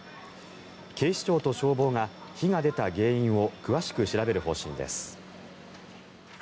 警視庁と消防が火が出た原因を詳しく調べる方針です。